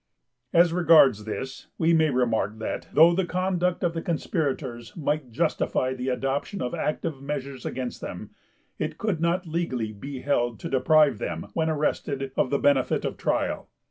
As regards this, we may remark that, though the conduct of the conspirators might justify the adoption of active measures against them, it could not legally be held to deprive them, when arrested, of the benefit of trial.